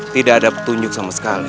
tidak ada petunjuk sama sekali